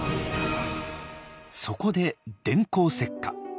そこで電光石火。